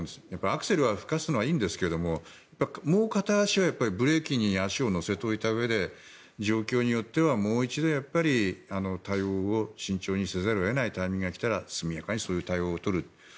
アクセルを吹かすのはいいんですが、もう片足はブレーキに足を乗せておいたうえで状況によってはもう一度、やっぱり対応を慎重にせざるを得ないタイミングが来たら速やかにそういう対応を取る。